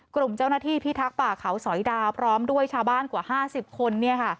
กลุ่มเจ้าหน้าที่พิทักษ์ป่าเขาสอยดาวพร้อมด้วยชาวบ้านกว่า๕๐คน